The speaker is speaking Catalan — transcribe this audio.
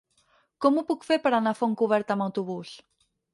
Com ho puc fer per anar a Fontcoberta amb autobús?